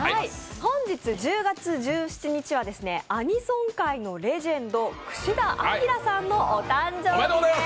本日１０月１７日はアニソン界のレジェンド串田アキラさんのお誕生日です。